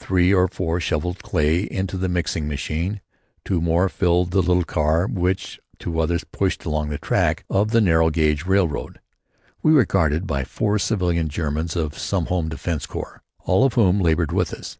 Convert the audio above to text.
Three or four shoveled clay into the mixing machine, two more filled the little car which two others pushed along the track of the narrow gauge railroad. We were guarded by four civilian Germans of some home defense corps, all of whom labored with us.